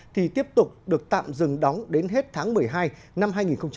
thì tiếp tục được tạm dừng đóng đến hết tháng một mươi hai năm hai nghìn hai mươi